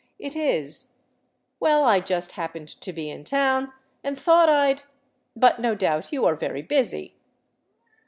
" It is." "Well, I just happened to be in town and thought I 'd. ... But no doubt you are very busy.